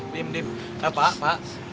dem dem pak pak